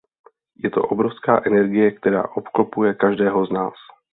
Je to obrovská energie která obklopuje každého z nás.